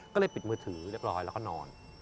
ก็เลยปิดมือถือเรียบร้อยแล้วก็นอน